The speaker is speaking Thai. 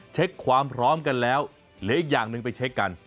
เช็คความพร้อมกันแล้วเหลืออีกอย่างหนึ่งไปเช็คกัน